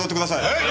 はい！